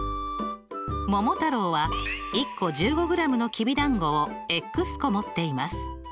桃太郎は１個１５ｇのきびだんごを個持っています。